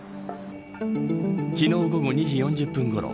昨日午後２時４０分ごろ